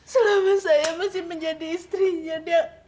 selama saya masih menjadi istrinya dia